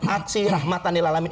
aksi rahmatanil alamin